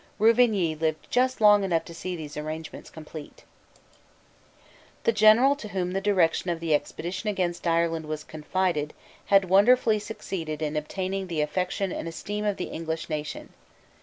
Ruvigny lived just long enough to see these arrangements complete, The general to whom the direction of the expedition against Ireland was confided had wonderfully succeeded in obtaining the affection and esteem of the English nation.